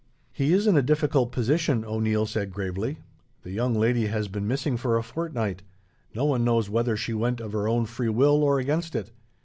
"He is in a difficult position," O'Neil said gravely. "The young lady has been missing for a fortnight. No one knows whether she went of her own free will, or against it.